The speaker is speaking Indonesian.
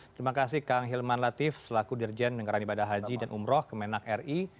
terima kasih kang hilman latif selaku dirjen negara ibadah haji dan umroh kemenang ri